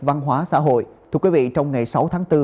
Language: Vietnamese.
văn hóa xã hội thưa quý vị trong ngày sáu tháng bốn